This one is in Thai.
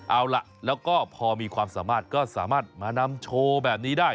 เอาล่ะแล้วก็พอมีความสามารถก็สามารถมานำโชว์แบบนี้ได้